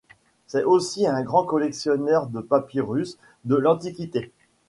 C'est aussi un grand collectionneur de papyrus de l'Antiquité.